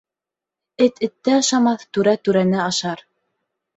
Эт этте ашамаҫ, түрә түрәне ашар.